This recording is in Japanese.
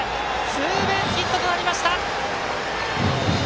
ツーベースヒットとなりました。